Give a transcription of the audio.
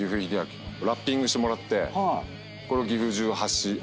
ラッピングしてもらってこれ岐阜中走って。